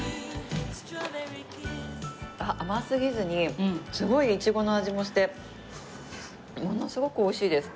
甘すぎずにすごいいちごの味もしてものすごく美味しいです。